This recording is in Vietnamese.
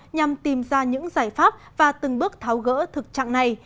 nhằm tìm ra những giải pháp và từng bước tháo gỡ thực trạng này